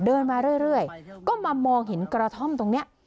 เดินมาเรื่อยก็มามองเห็นกระท่อมตรงนี้